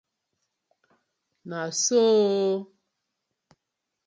Na so ooo!